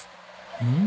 うん？